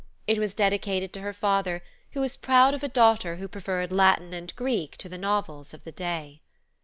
It was dedicated to her father, who was proud of a daughter who preferred Latin and Greek to the novels of the day.